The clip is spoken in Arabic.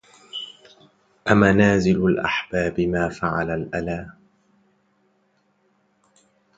أمنازل الأحباب ما فعل الألى